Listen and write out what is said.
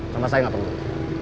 sama saya enggak penuh